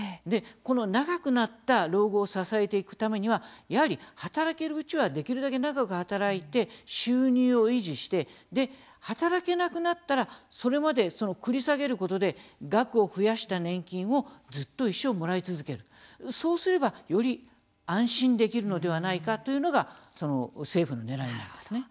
この長くなった老後を支えていくためにはやはり働けるうちはできるだけ長く働いて、収入を維持して働けなくなったら、それまで繰り下げることで額を増やした年金をずっと一生もらい続けるそうすればより安心できるのではないかというのが政府のねらいなんですね。